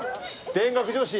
田学女子。